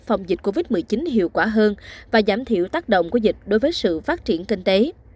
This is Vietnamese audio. phòng dịch covid một mươi chín hiệu quả hơn và giảm thiểu tác động của dịch đối với sự phát triển kinh tế